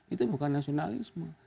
itu bukan nasionalisme